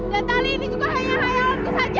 dan tali ini juga hanya khayalanku saja